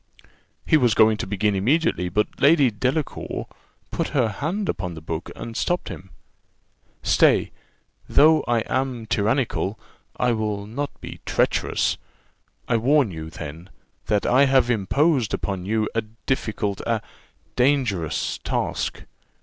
He was going to begin immediately, but Lady Delacour put her hand upon the book, and stopped him. "Stay; though I am tyrannical, I will not be treacherous. I warn you, then, that I have imposed upon you a difficult, a dangerous task.